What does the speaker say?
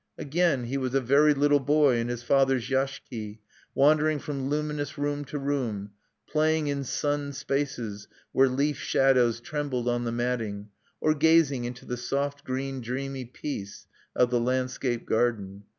Again he was a very little boy in his father's yashiki, wandering from luminous room to room, playing in sunned spaces where leaf shadows trembled on the matting, or gazing into the soft green dreamy peace of the landscape garden.